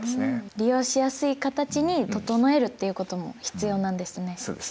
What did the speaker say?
利用しやすい形に整えるっていうことも必要なんですね。